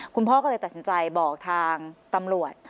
คุณพ่อก็เลยตัดสินใจบอกทางตำรวจ